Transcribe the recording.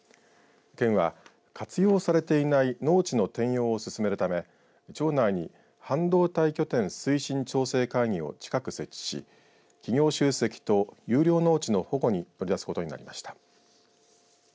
県は活用されていない農地の転用を進めるため庁内に半導体拠点推進調整会議を近く設置し企業集積と優良農地の保護に乗り出すことになりました。